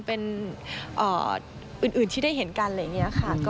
เป็นอื่นที่ได้เห็นกัน